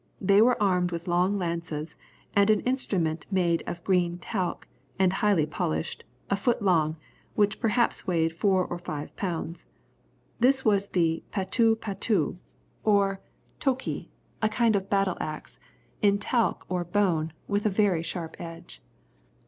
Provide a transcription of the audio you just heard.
They were armed with long lances, and an instrument made of green talc, and highly polished, a foot long, which perhaps weighed four or five pounds. This was the "patou patou," or toki, a kind of battle axe, in talc or bone, with a very sharp edge.